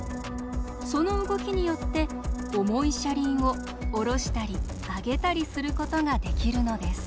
その動きによって重い車輪を下ろしたり上げたりすることができるのです。